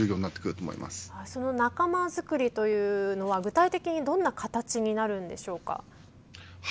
その仲間づくりというのは具体的にどんな形になりますか。